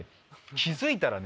気付いたらね。